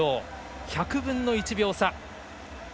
１００分の１秒差。